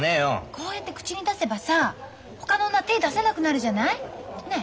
こうやって口に出せばさほかの女手出せなくなるじゃない？ねえ。